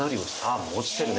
もう落ちてるね。